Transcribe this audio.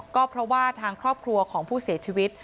ก็เพราะว่าทางครอบครัวของผู้เสียชีวิต